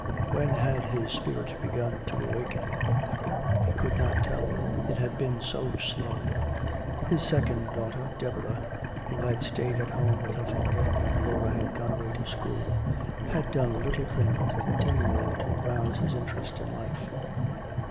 When had his spirit begun to awaken? He could not tell, it had been so slow. His second daughter, Deborah, who had stayed at home with her father when Laura had gone away to school, had done little things continually to rouse his interest in life.